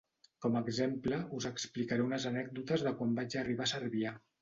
Com a exemple us explicaré unes anècdotes de quan vaig arribar a Cervià.